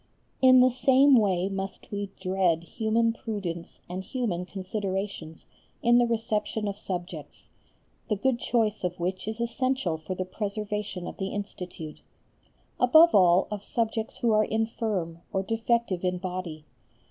In the same way must we dread human prudence and human considerations in the reception of subjects (the good choice of which is essential for the preservation of the Institute); above all of subjects who are infirm or defective in body.